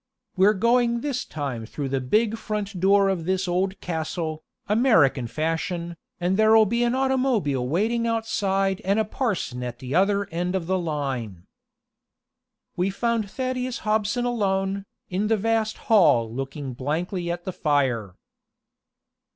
We're going this time through the big front door of this old castle, American fashion, and there'll be an automobile waiting outside and a parson at the other end of the line." We found Thaddeus Hobson alone, in the vast hall looking blankly at the fire.